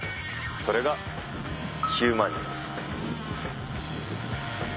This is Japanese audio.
それが「ヒューマニエンス」。